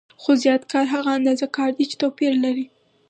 خو زیات کار هغه اندازه کار دی چې توپیر لري